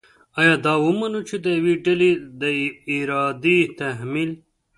آیا دا ومنو چې د یوې ډلې د ارادې تحمیل